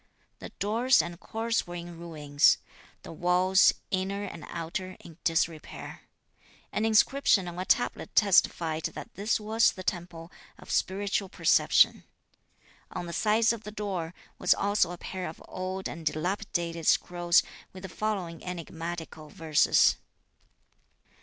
The doors and courts were in ruins. The walls, inner and outer, in disrepair. An inscription on a tablet testified that this was the temple of Spiritual Perception. On the sides of the door was also a pair of old and dilapidated scrolls with the following enigmatical verses.